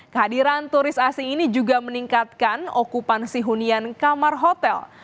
kehadiran turis asing ini juga meningkatkan okupansi hunian kamar hotel